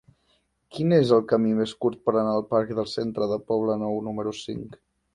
Quin és el camí més curt per anar al parc del Centre del Poblenou número cinc?